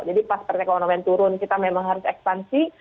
jadi pas perekonomian turun kita memang harus ekspansi